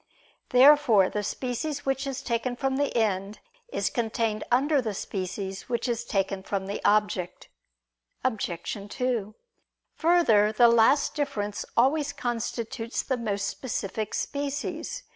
Therefore the species which is taken from the end, is contained under the species which is taken from the object. Obj. 2: Further, the last difference always constitutes the most specific species.